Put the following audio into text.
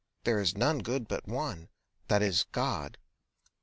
There is none good but one, and that is God.